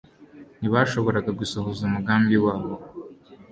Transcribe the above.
ntibashoboraga gusohoza umugambi wabo.